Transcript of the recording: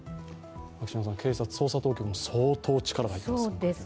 警察、捜査当局も相当、力が入っています。